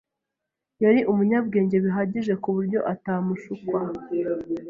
Yari umunyabwenge bihagije kuburyo atamushukwa.